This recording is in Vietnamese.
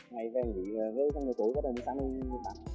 ngay về thì nghỉ ngơi trong ngày tối có đầm sáng đêm